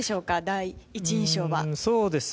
第一印象は。